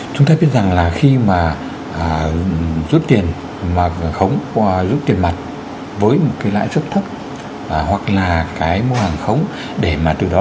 chúng ta biết rằng là khi mà rút tiền mà hàng khống qua rút tiền mặt với một cái lãi xuất thấp hoặc là cái mua hàng khống để mà từ đó đảo nợ